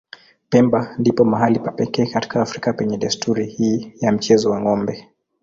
Pemba ndipo mahali pa pekee katika Afrika penye desturi hii ya mchezo wa ng'ombe.